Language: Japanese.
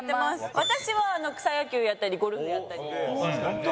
私は草野球やったりゴルフやったりしてるんで。